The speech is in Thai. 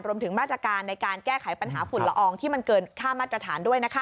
รวมถึงมาตรการในการแก้ไขปัญหาฝุ่นละอองที่มันเกินค่ามาตรฐานด้วยนะคะ